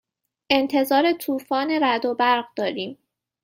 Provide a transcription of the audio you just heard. انتظار طوفان رعد و برق داریم.